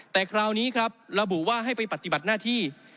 แต่คราวนี้ครับระบุว่าให้ไปปฏิบัติหน้าที่